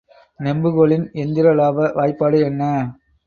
நெம்பு கோலின் எந்திர இலாப வாய்பாடு என்ன?